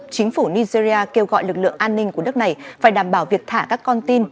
chính phủ nigeria kêu gọi lực lượng an ninh của đất này phải đảm bảo việc thả các con tin